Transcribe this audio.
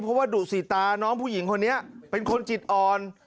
เพราะว่าดุสีตาน้องผู้หญิงคนนี้เป็นคนจิตอ่อน